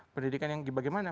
pendidikan yang bagaimana